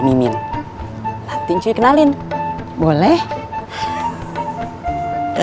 pas yang meine juga keringinnya encik